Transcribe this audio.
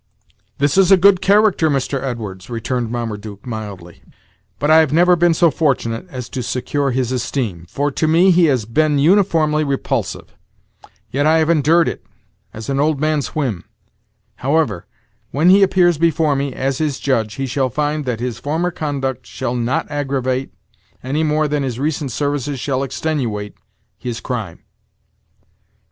"This is a good character, Mr. Edwards," returned Marmaduke, mildly; "but I have never been so fortunate as to secure his esteem, for to me he has been uniformly repulsive; yet I have endured it, as an old man's whim, However, when he appears before me, as his judge, he shall find that his former conduct shall not aggravate, any more than his recent services shall extenuate, his crime."